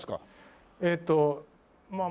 ええとまあ